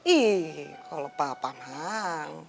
ih kalau papa mang